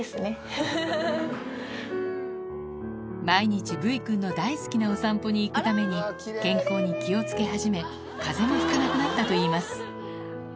毎日ブイくんの大好きなお散歩に行くために健康に気を付け始め風邪もひかなくなったといいます